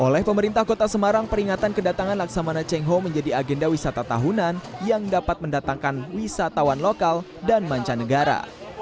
oleh pemerintah kota semarang peringatan kedatangan laksamana cengho menjadi agenda wisata tahunan yang dapat mendatangkan wisatawan lokal dan mancanegara